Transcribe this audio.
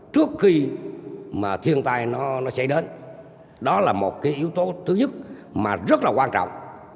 trước khi mà thiên tai nó xảy đến đó là một cái yếu tố thứ nhất mà rất là quan trọng